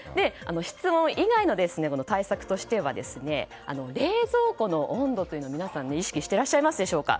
室温以外の対策としては冷蔵庫の温度というのを皆さん意識していらっしゃいますでしょうか。